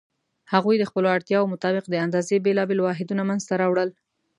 هغوی د خپلو اړتیاوو مطابق د اندازې بېلابېل واحدونه منځته راوړل.